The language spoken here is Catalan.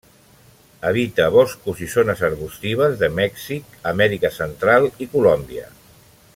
Habita boscos i zones arbustives de Mèxic, Amèrica Central i Colòmbia.